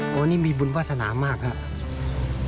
วันนี้มีบุญวาสนามากครับ